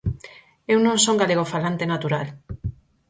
Eu non son galegofalante natural.